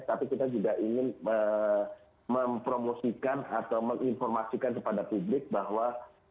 tapi kita juga ingin mempromosikan atau menginformasikan kepada publik bahwa